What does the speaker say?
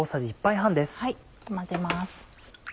混ぜます。